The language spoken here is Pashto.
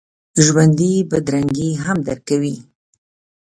ژوندي بدرنګي هم درک کوي